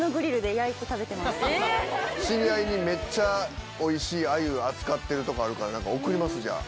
知り合いにめっちゃおいしい鮎扱ってるところあるから送りますじゃあ。